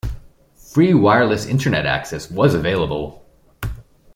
Free wireless internet access was available.